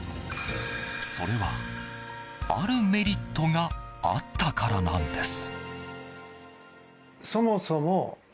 それは、あるメリットがあったからなんです。